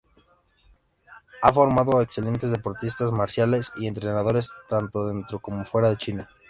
Ha formado a excelentes deportistas marciales y entrenadores tanto dentro como fuera de China.